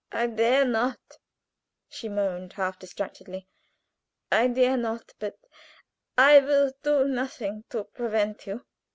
"I dare not," she moaned, half distracted; "I dare not but I will do nothing to prevent you.